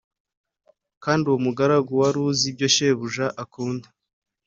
Kandi uwo mugaragu wari uzi ibyo shebuja akunda